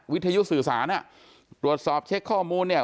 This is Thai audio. วิทยุสื่อสารอ่ะตรวจสอบเช็คข้อมูลเนี่ย